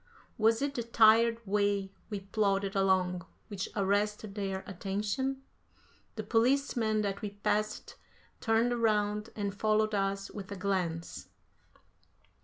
Was it the tired way we plodded along which arrested their attention? The policemen that we passed turned round and followed us with a glance.